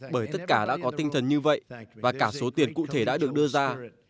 bởi tất cả đã có tinh thần như vậy và cả số tiền cụ thể đã được đưa ra